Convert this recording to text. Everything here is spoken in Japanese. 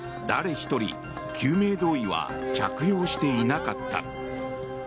一人救命胴衣は着用していなかった。